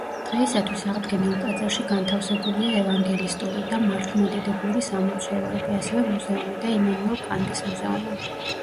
დღეისათვის აღდგენილ ტაძარში განთავსებულია ევანგელისტური და მართლმადიდებლური სამლოცველოები, ასევე მუზეუმი და იმანუელ კანტის მუზეუმი.